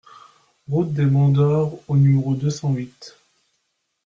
Route des Monts d'Or au numéro deux cent huit